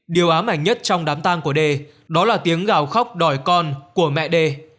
điều ám ảnh nhất trong đám tang của đê đó là tiếng gào khóc đòi con của mẹ đê